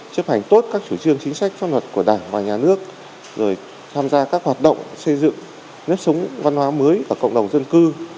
chấp hành tốt các chủ trương chính sách pháp luật của đảng và nhà nước rồi tham gia các hoạt động xây dựng nếp sống văn hóa mới của cộng đồng dân cư